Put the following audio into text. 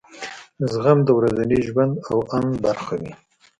زغم د ورځني ژوند او اند برخه وي.